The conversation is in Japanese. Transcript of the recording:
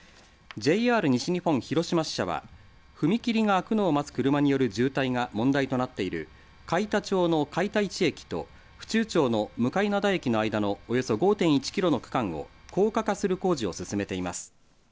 ＪＲ西日本広島支社は踏切が開くのを待つ車による渋滞が問題となっている海田町の海田市駅と府中町の向洋駅の間のおよそ５．１キロの区間を高架化する工場を進めています。